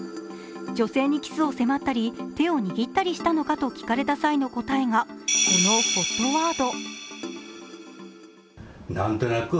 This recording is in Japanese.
女性にキスを迫ったり手を握ったりしたのかと聞かれた際に答えたのが、このＨＯＴワード。